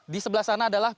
di sebelah sana adalah